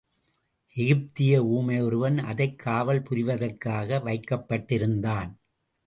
எகிப்திய ஊமையொருவன் அதைக் காவல் புரிவதற்காக வைக்கப்பட்டிருந்தான்.